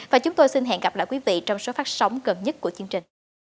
và chúng tôi xin hẹn gặp lại quý vị trong số phát sóng gần nhất của chương trình